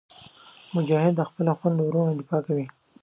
مجاهد د خپلو خویندو او وروڼو دفاع کوي.